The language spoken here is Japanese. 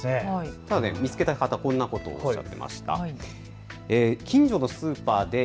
見つけた方、こんなことをおっしゃっていました。